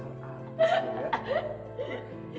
ya ampun masalah